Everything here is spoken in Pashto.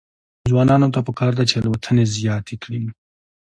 ځوانانو ته پکار ده چې، الوتنې زیاتې کړي.